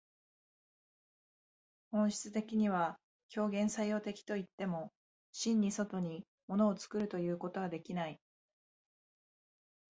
本質的には表現作用的といっても、真に外に物を作るということはできない。